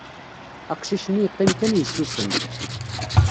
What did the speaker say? Aqcic-nni yeqqim kan yessusem.